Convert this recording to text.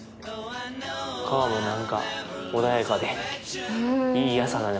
川も何か穏やかでいい朝だね